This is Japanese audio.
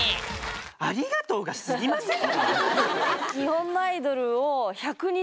ありがとうがすぎませんか